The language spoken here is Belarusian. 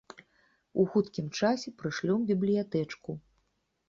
У хуткім часе прышлём бібліятэчку.